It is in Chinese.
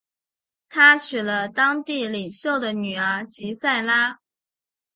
他娶了当地领袖的女儿吉塞拉。